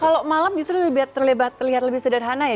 kalau malam justru terlihat lebih sederhana ya